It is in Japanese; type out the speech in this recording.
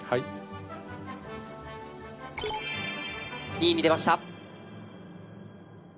２位に出ました。